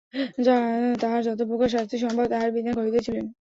তাহার যতপ্রকার শাস্তি সম্ভব তাহার বিধান করিতেছিলেন।